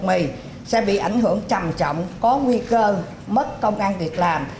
mì sẽ bị ảnh hưởng trầm trọng có nguy cơ mất công an việc làm